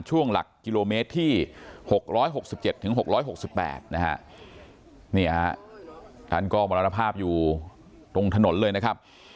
ช่วงหลักกิโลเมตรที่๖๖๗ถึง๖๖๘นะครับนี่การกล้อมรรภาพอยู่ตรงถนนเลยนะครับ